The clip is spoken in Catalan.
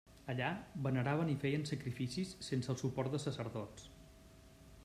Allà, veneraven i feien sacrificis sense el suport de sacerdots.